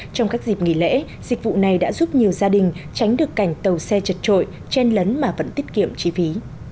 trong các dịp nghỉ lễ dịch vụ này đã giúp nhiều gia đình tránh được cảnh tàu xe chật trội chen lấn mà vẫn tiết kiệm chi phí